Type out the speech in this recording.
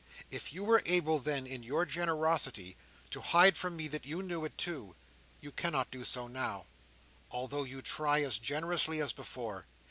If you were able, then, in your generosity, to hide from me that you knew it too, you cannot do so now, although you try as generously as before.